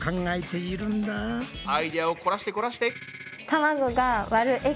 アイデアを凝らして凝らして！